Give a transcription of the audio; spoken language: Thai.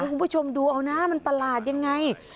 คุณผู้ชมดูเอานะมันประหลาดยังไง